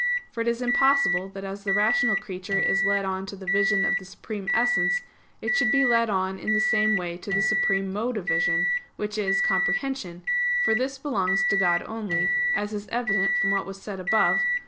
For it is impossible that as the rational creature is led on to the vision of the Supreme Essence, it should be led on in the same way to the supreme mode of vision, which is comprehension, for this belongs to God only; as is evident from what was said above (Q.